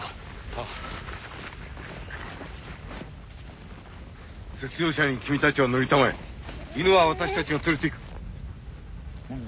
はっ雪上車に君たちは乗りたまえ犬はわたしたちが連れていく！